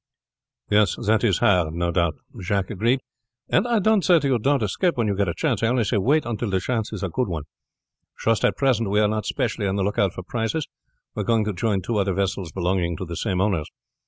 "Yes, that is hard, no doubt," Jacques agreed; "and I don't say to you don't escape when you get a chance, I only say wait until the chance is a good one. Just at present we are not specially on the lookout for prizes. We are going to join two other vessels belonging to the same owners.